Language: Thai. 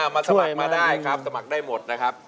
มาสมัครมาได้ครับสมัครได้หมดนะครับ